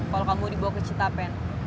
kalo kamu dibawa ke cintapen